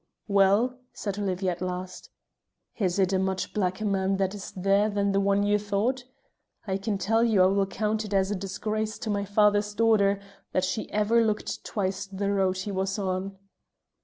"Well?" said Olivia at last. "Is it a much blacker man that is there than the one you thought? I can tell you I will count it a disgrace to my father's daughter that she ever looked twice the road he was on."